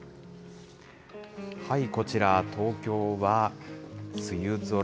こちら、東京は梅雨空。